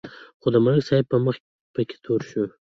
خو د ملک صاحب مخ پکې تور شو.